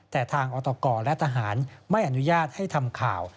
แต่ทางอตกและทหารไม่อนุญาตให้ทำข่าว